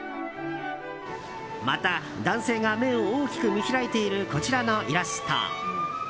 また男性が目を大きく見開いているこちらのイラスト。